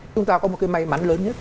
chúng ta có một cái may mắn lớn nhất